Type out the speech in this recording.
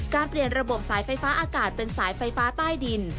เปลี่ยนระบบสายไฟฟ้าอากาศเป็นสายไฟฟ้าใต้ดิน